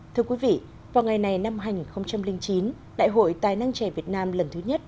thưa quý vị vào ngày này năm hai nghìn chín đại hội tài năng trẻ việt nam lần thứ nhất